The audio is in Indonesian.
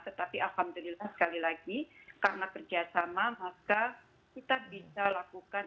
tetapi alhamdulillah sekali lagi karena kerjasama maka kita bisa lakukan